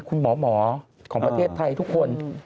คุณหมอของประเทศไทยทุกคน